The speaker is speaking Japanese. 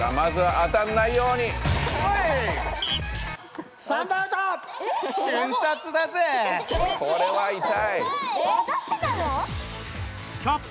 当たってたの？